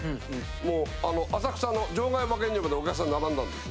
もう浅草の場外馬券場までお客さん並んだんです。